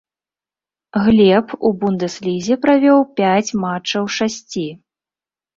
Глеб у бундэслізе правёў пяць матчаў з шасці.